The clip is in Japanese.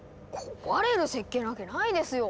壊れる設計なわけないですよ！